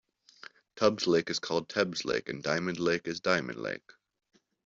Tubbs Lake is called "Tebbs Lake" and Diamond Lake is "Dimon Lake".